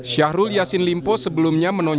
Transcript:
syahrul yasin limpo sebelumnya menunjukkan